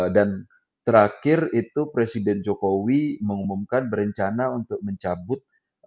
dan terakhir itu presiden jokowi mengumumkan berencana untuk mencabut